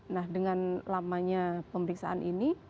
nah dengan lamanya pemeriksaan ini